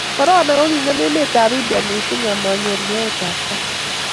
korona ko ki ngem emet ab india eng mising ama nyor nyoet ab kat